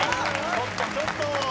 ちょっとちょっと。